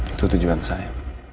itu tujuan saya